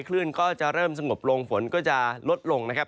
คลื่นก็จะเริ่มสงบลงฝนก็จะลดลงนะครับ